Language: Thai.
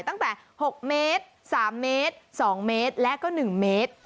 ตั้งแต่หกเมตรสามเมตรสองเมตรแล้วก็หนึ่งเมตร